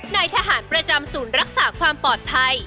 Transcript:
นายทหารประจำศูนย์รักษาความปลอดภัย